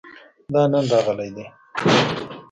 دا نن راغلی دی